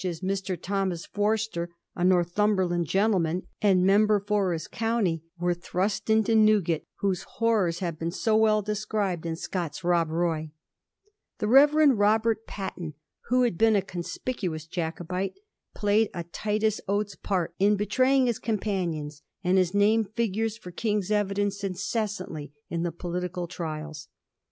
vnr. such as Mr. Thomas Forster, a Northumberland gen tleman, and member for his county, were thrust into Newgate, whose horrors have been so well described in Scott's 'Rob Roy/ The Rev. Robert Patten, who had been a conspicuous Jacobite, played a Titus Gates part in betrajmag his companions, and his name figures for King's evidence incessantly in the political trials.